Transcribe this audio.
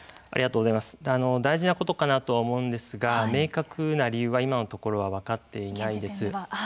大事なことかなと思うんですが明確な理由は今のところは分かっていないです。